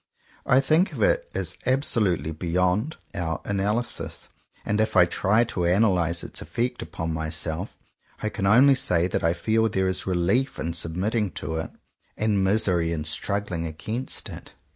I think of it as absolutely beyond our ana lysis. And if I try to analyze its effect upon myself, I can only say that I feel there is relief in submitting to it, and misery in struggling against it.